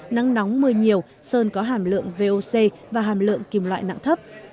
nắng nóng mưa nhiều sơn có hàm lượng voc và hàm lượng kim loại nặng thấp